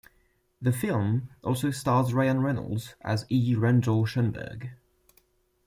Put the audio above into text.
The film also stars Ryan Reynolds as E. Randol Schoenberg.